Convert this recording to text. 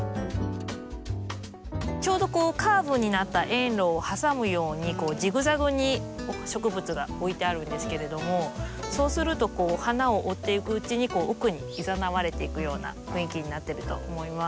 ちょうどカーブになった園路を挟むようにジグザグに植物が置いてあるんですけれどもそうすると花を追っていくうちに奥にいざなわれていくような雰囲気になってると思います。